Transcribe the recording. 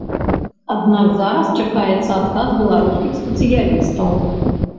Аднак зараз чакаецца адказ беларускіх спецыялістаў.